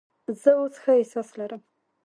زه اوس ښه احساس لرم.